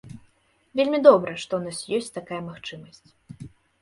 Вельмі добра, што ў нас ёсць такія магчымасці.